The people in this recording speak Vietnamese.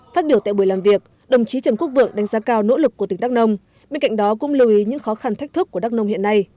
phát biểu tại buổi làm việc đồng chí trần quốc vượng đánh giá cao nỗ lực của tỉnh đắk nông bên cạnh đó cũng lưu ý những khó khăn thách thức của đắk nông hiện nay